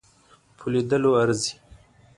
په لیدلو ارزي.